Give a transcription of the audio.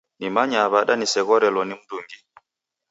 Nimanyaa w'ada niseghorelo ni mndungi?